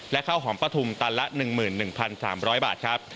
และข้าวหอมปฐุมตันละ๑๑๓๐๐บาทครับ